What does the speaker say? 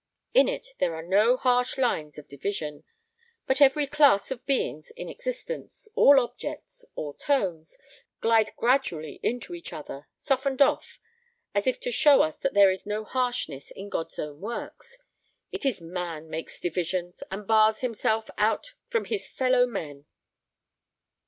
In it there are no harsh lines of division, but every class of beings in existence, all objects, all tones, glide gradually into each other, softened off, as if to show us that there is no harshness in God's own works. It is man makes divisions, and bars himself out from his fellow men."